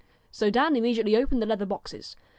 So Dan immediately opened the leather boxes.